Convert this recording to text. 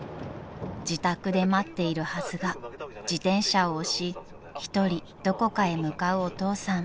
［自宅で待っているはずが自転車を押し一人どこかへ向かうお父さん］